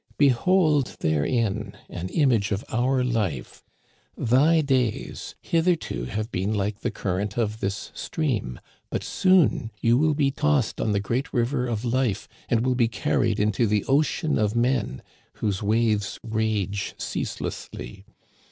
Behold therein an image of our life ! Thy days hitherto have been like the current of this stream ; but soon you will be tossed on the great river of life, and will be carried into the ocean of men, whose waves rage ceaselessly.